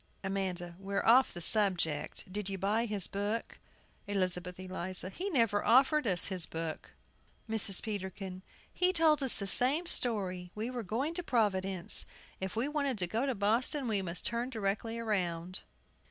AMANDA. We're off the subject. Did you buy his book? ELIZABETH ELIZA. He never offered us his book. MRS. PETERKIN. He told us the same story, we were going to Providence; if we wanted to go to Boston, we must turn directly round.